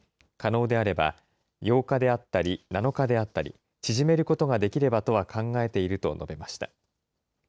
可能であれば、８日であったり７日であったり、縮めることができればとは考えていると述べました。